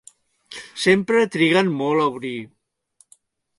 Sempre triguen molt a obrir.